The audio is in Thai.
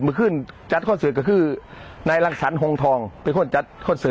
ผมว่าจะขึ้นนะล่างสรรภ์ธงทองเป็นคนได้จะสิรภ์